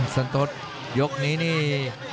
ซัลโต๊ะยกนี้นี่